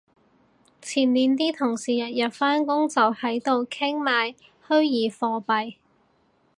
前年啲同事日日返工就喺度傾買虛擬貨幣